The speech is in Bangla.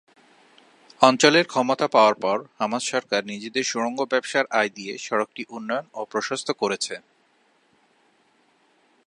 অঞ্চলের ক্ষমতা পাওয়ার পর হামাস সরকার নিজেদের সুড়ঙ্গ ব্যবসার আয় দিয়ে সড়কটি উন্নয়ন ও প্রশস্ত করেছে।